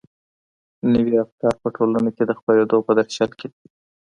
نوي افکار په ټولنه کي د خپرېدو په درشل کي دي.